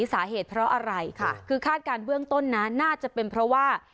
สาเหตุเพราะอะไรคือคาดการณ์เบื้องต้นนะน่าจะเป็นเพราะว่า